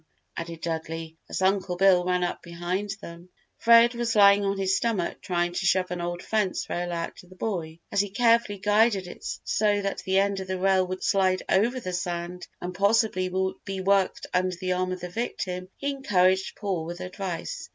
added Dudley, as Uncle Bill ran up behind them. Fred was lying on his stomach trying to shove an old fence rail out to the boy. As he carefully guided it so that the end of the rail would slide over the sand and possibly be worked under the arm of the victim, he encouraged Paul with advice.